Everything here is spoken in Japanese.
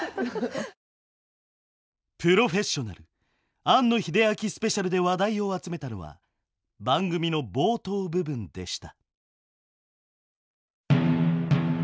「プロフェッショナル庵野秀明スペシャル」で話題を集めたのは番組の冒頭部分でした。